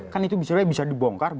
kan itu bisa dibongkar